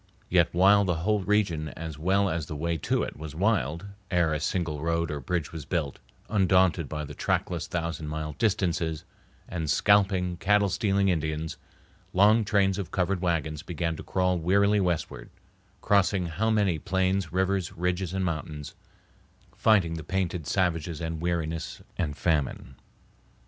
While yet the whole region as well as the way to it was wild, ere a single road or bridge was built, undaunted by the trackless thousand mile distances and scalping, cattle stealing Indians, long trains of covered wagons began to crawl wearily westward, crossing how many plains, rivers, ridges, and mountains, fighting the painted savages and weariness and famine.